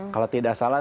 kalau tidak salah